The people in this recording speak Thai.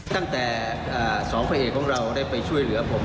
ตั้งแต่สองพระเอกของเราได้ไปช่วยเหลือผม